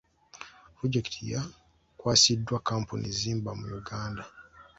Pulojekiti yakwasiddwa kkampuni ezimba mu Uganda.